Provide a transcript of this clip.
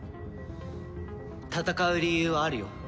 戦う理由はあるよ。